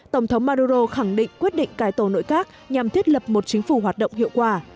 tổng thống maduro khẳng định quyết định cải tổ nội các nhằm thiết lập một chính phủ hoạt động hiệu quả